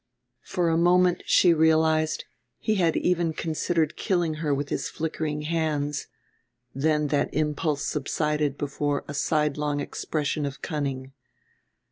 For a moment, she realized, he had even considered killing her with his flickering hands. Then that impulse subsided before a sidelong expression of cunning.